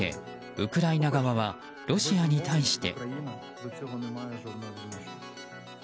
ウクライナ側はロシアに対して。